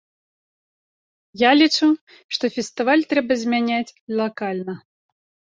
Я лічу, што фестываль трэба змяняць лакальна.